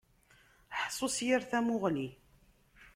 Ḥṣu s yir tamuɣli.